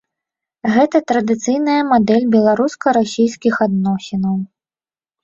Гэта традыцыйная мадэль беларуска-расійскіх адносінаў.